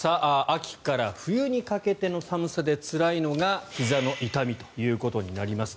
秋から冬にかけての寒さでつらいのがひざの痛みとなります。